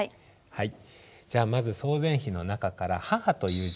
はい。